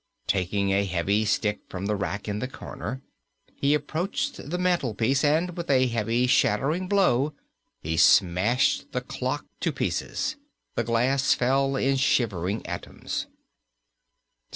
Taking a heavy stick from the rack in the corner he approached the mantlepiece, and with a heavy shattering blow he smashed the clock to pieces. The glass fell in shivering atoms.